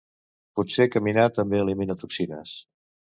Potser caminar també elimina toxines.